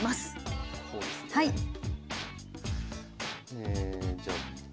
えじゃあ